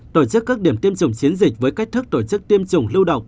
tổ chức các điểm tiêm chủng chiến dịch với cách thức tổ chức tiêm chủng lưu động